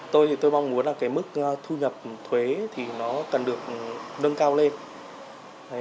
tôi thì tôi mong muốn là cái mức thu nhập thuế thì nó cần được nâng cao lên